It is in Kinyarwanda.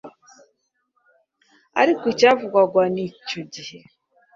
ariko icyavugwaga icyo gihe